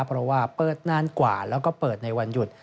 เพราะว่าเปิดนานกว่าแล้วก็เปิดในวันหยุด